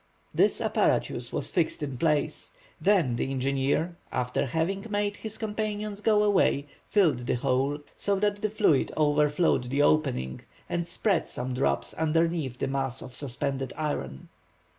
The apparatus was fixed in place; then the engineer, after having made his companions go away, filled the hole so that the fluid overflowed the opening, and spread some drops underneath the mass of suspended iron.